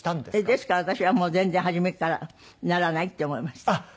ですから私はもう全然初めからならないって思いました。